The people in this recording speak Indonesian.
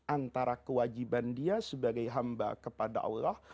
antara kewajiban dia sebagai hamba kepada allah